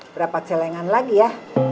berapa jelengan lagi ya